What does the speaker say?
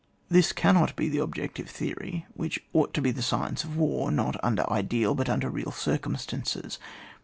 This cannot be the object of theory, which ought to be the sdence of war, not \mder ideal but under real circumstances.